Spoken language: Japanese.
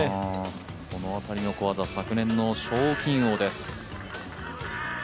この辺りの小技、昨年の賞金王です。